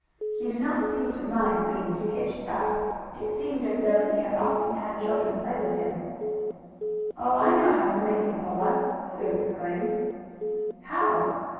He did not seem to mind being "hitched up." It seemed as though he had often had children play with him. "Oh, I know how to make him pull us!" Sue exclaimed. "How?"